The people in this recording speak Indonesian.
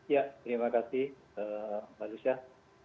ya terima kasih pak lushyah